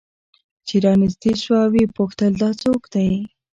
چې رانژدې سوه ويې پوښتل دا څوك دى؟